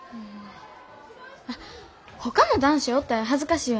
あっほかの男子おったら恥ずかしいよな。